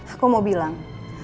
aku mau bilang